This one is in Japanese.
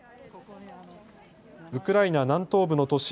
ウクライナ南東部の都市